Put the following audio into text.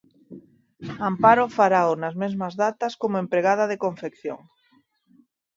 Amparo, farao, nas mesmas datas, como empregada de confección.